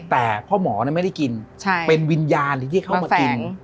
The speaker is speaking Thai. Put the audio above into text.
แต่พ่อหมอเนี่ยไม่ได้กินใช่เป็นวิญญาณที่เขามากินมาแฝง